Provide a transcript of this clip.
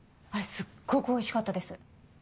あれすっごくおいしかったです。